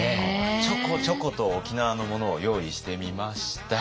ちょこちょこと沖縄のものを用意してみました。